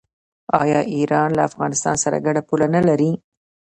آیا ایران له افغانستان سره ګډه پوله نلري؟